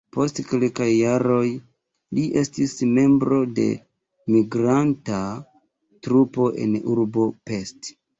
Post kelkaj jaroj li estis membro de migranta trupo en urbo Pest.